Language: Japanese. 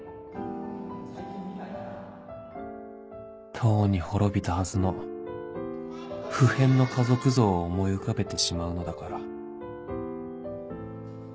とうに滅びたはずの普遍の家族像を思い浮かべてしまうのだから